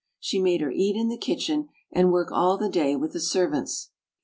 She made her eat in the kitchen, and work all the day with the servants.